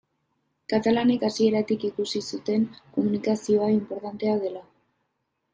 Katalanek hasieratik ikusi zuten komunikazioa inportantea dela.